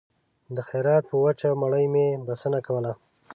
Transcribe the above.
د خیرات په وچه مړۍ مې بسنه کوله